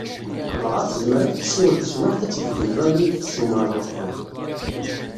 Dɣa, tezmer ad ak-tessiweḍ teswiɛt ad tbeddleḍ ayen i d-tsumreḍ uqbel.